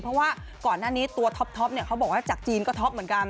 เพราะว่าก่อนหน้านี้ตัวท็อปเขาบอกว่าจากจีนก็ท็อปเหมือนกัน